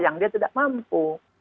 yang dia tidak mampu